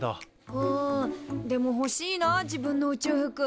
んでもほしいな自分の宇宙服。